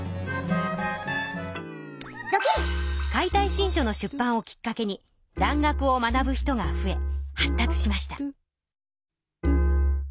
「解体新書」の出版をきっかけに蘭学を学ぶ人が増え発達しました。